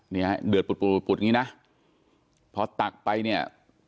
เนี่ยเดือดปุดปุดปุดอย่างนี้นะพอตักไปเนี่ย